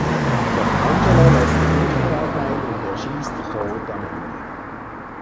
Doch Angelo lässt sich nicht darauf ein und erschießt Groot am Ende.